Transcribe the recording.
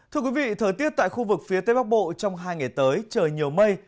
thưa quý vị thời tiết tại khu vực phía tây bắc bộ trong hai ngày tới trời nhiều mây